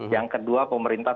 yang kedua pemerintah